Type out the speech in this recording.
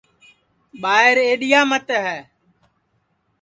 ٻائیرا کی ایڈِؔیا مت ہے